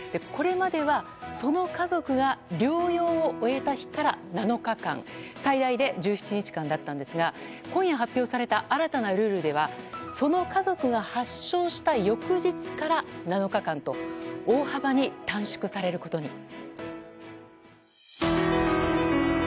これまではその家族が療養を終えた日から７日間最大で１７日間だったんですが今夜発表された新たなルールではその家族が発症した翌日から７日間と大幅に短縮されることに。